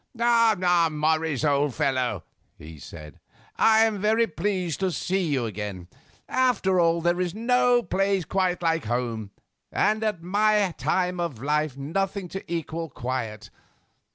"Ah, Morris, old fellow," he said, "I am very pleased to see you again. After all, there is no place like home, and at my time of life nothing to equal quiet.